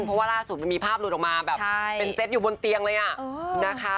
เพราะว่าล่าสุดมันมีภาพหลุดออกมาแบบเป็นเซตอยู่บนเตียงเลยนะคะ